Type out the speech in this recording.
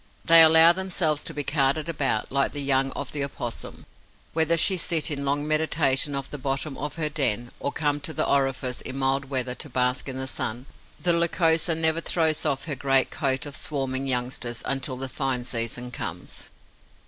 They allow themselves to be carted about, like the young of the Opossum. Whether she sit in long meditation at the bottom of her den, or come to the orifice, in mild weather, to bask in the sun, the Lycosa never throws off her great coat of swarming youngsters until the fine season comes.